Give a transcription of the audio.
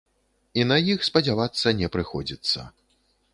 І на іх спадзявацца не прыходзіцца.